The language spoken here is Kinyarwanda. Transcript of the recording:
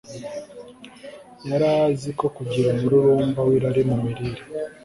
yari azi ko kugira umururumba wirari mu mirire